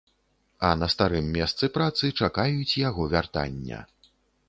А на старым месцы працы чакаюць яго вяртання.